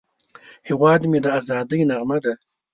هیواد مې د ازادۍ نغمه ده